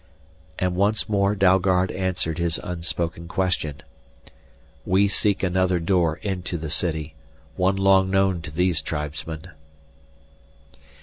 And once more Dalgard answered his unspoken question. "We seek another door into the city, one long known to these tribesmen."